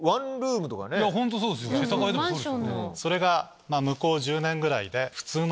それが向こう１０年ぐらいで。